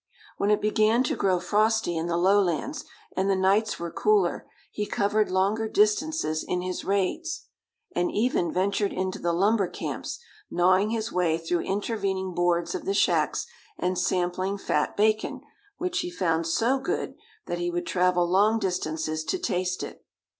When it began to grow frosty in the lowlands, and the nights were cooler, he covered longer distances in his raids, and even ventured into the lumber camps, gnawing his way through intervening boards of the shacks and sampling fat bacon, which he found so good that he would travel long distances to taste it.